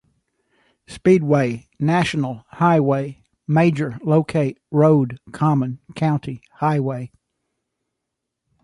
Speedway National Highway major locate road common County Highway